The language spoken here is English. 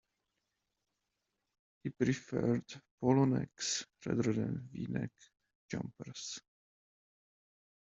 He preferred polo necks rather than V-neck jumpers